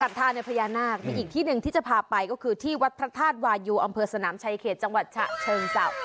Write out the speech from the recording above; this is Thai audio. พญานาคมีอีกที่หนึ่งที่จะพาไปก็คือที่วัดพระธาตุวายูอำเภอสนามชายเขตจังหวัดฉะเชิงเศร้า